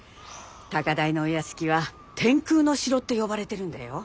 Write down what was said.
高台のお屋敷は天空の城って呼ばれてるんだよ。